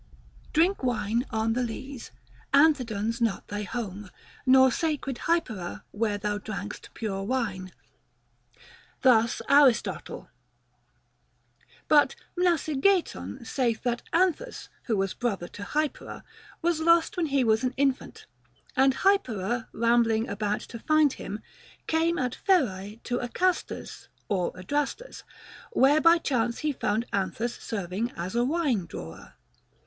Drink wine on th' lees, Anthedon's not thy home, Nor sacred Hypera where thou drank'st pure wine. Thus Aristotle ; but Mnasigeiton saith that Anthus, who was brother to Hypera, was lost when he was an infant, and Hypera rambling about to find him, came at Pherae to Acastus (or Adrastus), where by chance he found Anthus serving as a wine drawer.